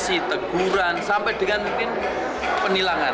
sosialisasi teguran sampai dengan penilangan